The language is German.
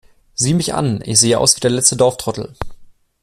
Sieh mich an, ich sehe aus wie der letzte Dorftrottel!